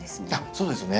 そうですね。